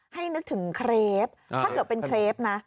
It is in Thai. นึกถึงเครปถ้าเกิดเป็นเครปนะ